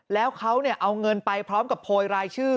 แล้วเขาเอาเงินไปพร้อมกับโพยรายชื่อ